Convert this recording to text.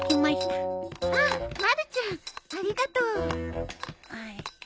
あっまるちゃんありがとう。